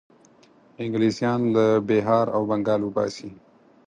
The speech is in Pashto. انګلیسیان له بیهار او بنګال وباسي.